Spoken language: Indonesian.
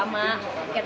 tempatnya soalnya enak